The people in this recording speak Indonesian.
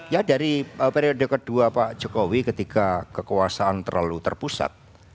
ya dari periode kedua pak jokowi ketika kekuasaan terlalu terpusat